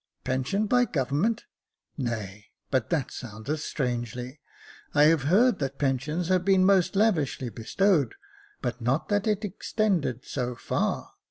" Pensioned by government ! nay, but that soundeth strangely. I have heard that pensions have been most lavishly bestowed, but not that it extended so far.